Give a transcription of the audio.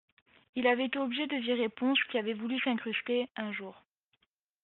Il avait été obligé de virer Pons qui avait voulu s’incruster, un jour.